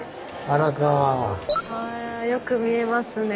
あよく見えますね。